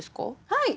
はい。